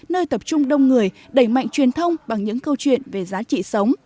nơi tập trung đông người đẩy mạnh truyền thông bằng những câu chuyện về giá trị sống